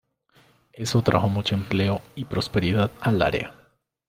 Eso trajo mucho empleo y prosperidad al área.